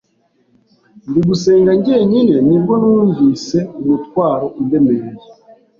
ndi gusenga njyenyine nibwo numvise umutwaro undemereye